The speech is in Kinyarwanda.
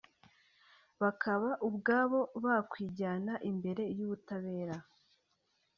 bakaba ubwabo bakwijyana imbere y’ubutabera